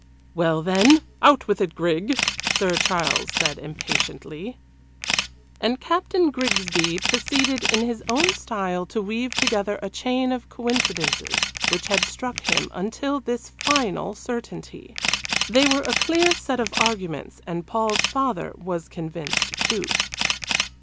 "Well, then out with it, Grig," Sir Charles said impatiently. And Captain Grigsby proceeded in his own style to weave together a chain of coincidences which had struck him, until this final certainty. They were a clear set of arguments, and Paul's father was convinced, too.